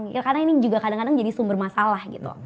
karena ini juga kadang kadang jadi sumber masalah gitu